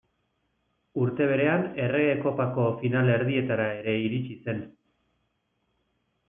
Urte berean Errege Kopako final erdietara ere iritsi zen.